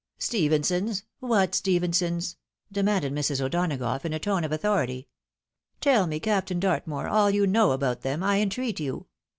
" Stephensons ! what Stephensons ?" demanded Mrs. O'Donagough, in a tone of authority. "Tell me, Captain Dartmore, aU you know about them, I entreat you.